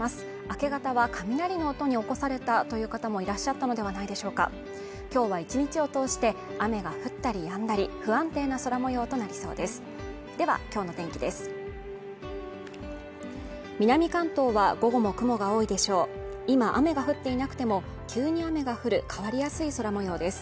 明け方は雷の音に起こされたという方もいらっしゃったのではないでしょうか今日は１日を通して雨が降ったりやんだり不安定な空模様となりそうです